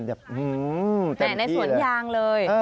แต่ในสวนยางเลย